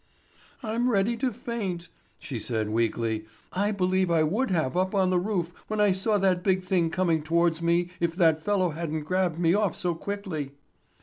"I'm ready to faint," she said weakly. "I believe I would have up on the roof when I saw that big thing coming towards me if that fellow hadn't grabbed me off so quickly."